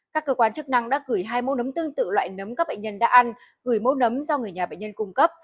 các cơ quan chức năng đã gửi hai mẫu nấm tương tự loại nấm các bệnh nhân đã ăn gửi mẫu nấm do người nhà bệnh nhân cung cấp